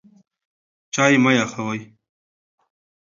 چای مه یخوئ.